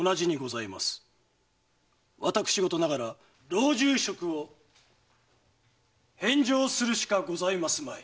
私事ながら老中職を返上するしかございますまい。